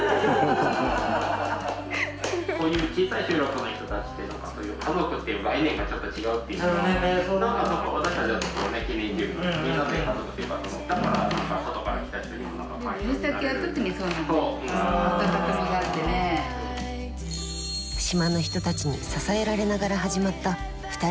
島の人たちに支えられながら始まった２人の新たな生活。